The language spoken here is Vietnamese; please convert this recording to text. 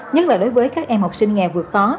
nhất là đối với các em học sinh nghèo vượt khó